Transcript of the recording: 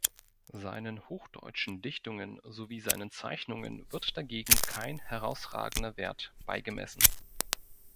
Seinen hochdeutschen Dichtungen sowie seinen Zeichnungen wird dagegen kein herausragender Wert beigemessen.